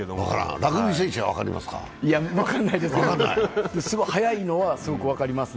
ラグビー選手は分かりますか？